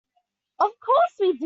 Of course we do.